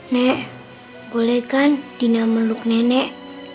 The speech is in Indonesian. nek boleh kan dina meluk nenek